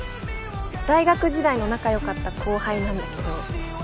大学時代の仲良かった後輩なんだけど。